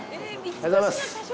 おはようございます。